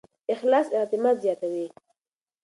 اخلاص اعتماد زیاتوي.